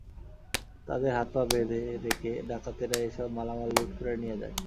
তাঁদের হাত-পা বেঁধে রেখে ডাকাতেরা এসব মালামাল লুট করে নিয়ে যায়।